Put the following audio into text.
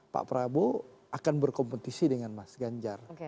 pak prabowo akan berkompetisi dengan mas ganjar